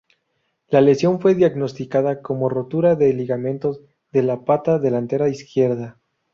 La lesión fue diagnosticada como rotura de ligamentos de la pata delantera izquierda.